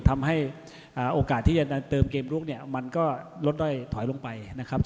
ทำให้โอกาสที่จะเติมเกมลุกมันก็ลดล่อยถอยลงไป